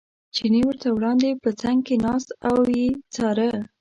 چیني ورته وړاندې په څنګ کې ناست او یې څاره.